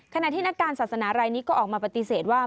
ขณะที่นักการศาสนารายนี้ก็ออกมาปฏิเสธว่า